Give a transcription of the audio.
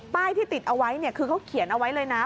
ที่ติดเอาไว้คือเขาเขียนเอาไว้เลยนะ